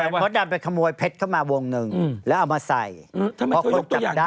เพราะเราไปขโมยเพชรเข้ามาวงนึงแล้วเอามาใส่เพราะคนจับได้